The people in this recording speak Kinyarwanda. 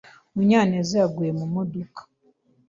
Munyaneza yaguye mu modoka.